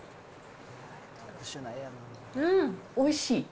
おいしい。